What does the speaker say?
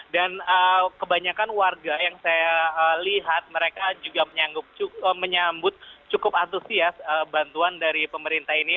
dan kebanyakan warga yang saya lihat mereka juga menyambut cukup antusias bantuan dari pemerintah ini